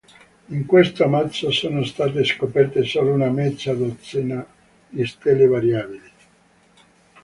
In questo ammasso sono state scoperte solo una mezza dozzina di stelle variabili.